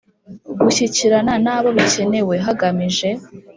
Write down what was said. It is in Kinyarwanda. Gushyikirana n abo bikenewe hagamije